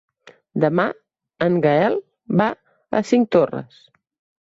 Demà en Gaël va a Cinctorres.